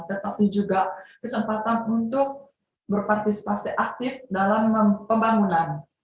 tetapi juga kesempatan untuk berpartisipasi aktif dalam pembangunan